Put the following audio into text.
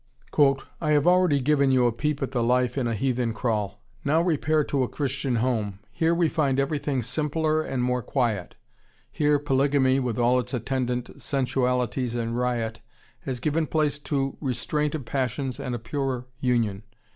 ] "I have already given you a peep at the life in a heathen kraal. Now repair to a Christian home. Here we find everything simpler and more quiet. Here polygamy, with all its attendant sensualities and riot, has given place to restraint of passions and a purer union.